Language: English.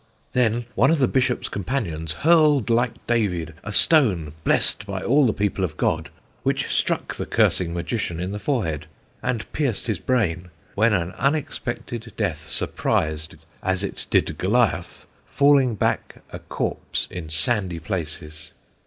"Then one of the bishop's companions hurled, like David, a stone, blessed by all the people of God, which struck the cursing magician in the forehead and pierced his brain, when an unexpected death surprised, as it did Goliath, falling back a corpse in sandy places.